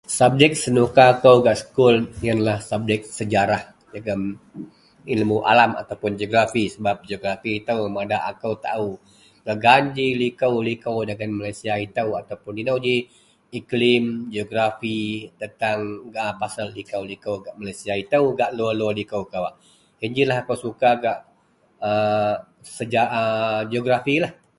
subjek wak senuka kou gak sekul ienlah subjek sejarah jegum ilmu alam ataupun geografi, sebab geografi itou madak akou taau gak gan ji liko-liko dagen Malaysia itou ataupun inou ji iklim geografi tentang ga pasel liko-liko gak Malaysia itou gak luar-luar liko kawak , yen jilah akou suka gak a seja a a geografilah